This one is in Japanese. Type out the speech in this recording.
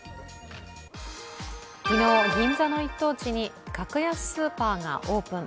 昨日、銀座の一等地に格安スーパーがオープン。